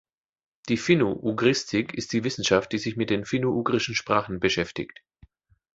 Die Finno-Ugristik ist die Wissenschaft, die sich mit den finno-ugrischen Sprachen beschäftigt.